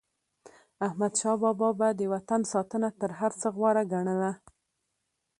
احمدشاه بابا به د وطن ساتنه تر هر څه غوره ګڼله.